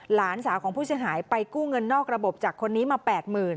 หลานสาวของผู้เสียหายไปกู้เงินนอกระบบจากคนนี้มา๘๐๐๐